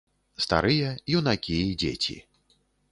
Старыя, юнакі і дзеці.